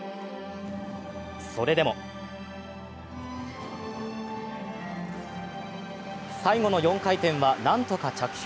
それでも、最後の４回転は何とか着氷。